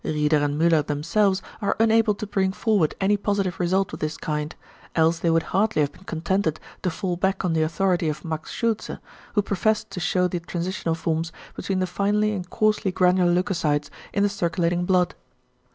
Rieder and Müller themselves are unable to bring forward any positive result of this kind, else they would hardly have been contented to fall back on the authority of Max Schultze, who professed to shew the transitional forms between the finely and coarsely granular leucocytes in the circulating blood.